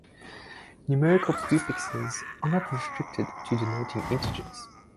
Numerical prefixes are not restricted to denoting integers.